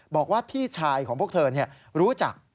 บอกว่าพี่ชายของพวกเธอรู้จัก